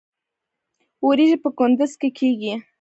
وریجې په کندز کې کیږي